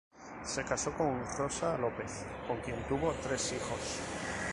Se casó con Rosa López, con quien tuvo tres hijos.